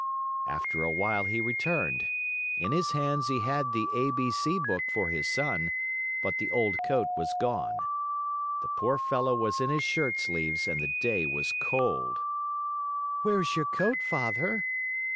After a while he returned. In his hands he had the A B C book for his son, but the old coat was gone. The poor fellow was in his shirt sleeves and the day was cold. "Where's your coat, Father?"